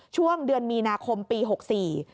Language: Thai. ช่วงเดือนมีนาคมปีหกสี่